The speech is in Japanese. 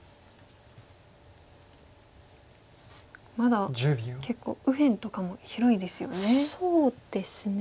まだ結構右辺とかも広いですよね。